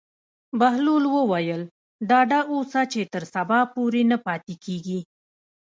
بهلول وویل: ډاډه اوسه چې تر سبا پورې نه پاتې کېږي.